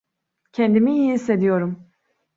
Kendimi iyi hissediyorum.